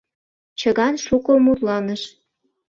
Чыган шуко мутланыш.